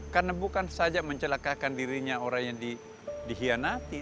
karena bukan saja mencelakakan dirinya orang yang dihianati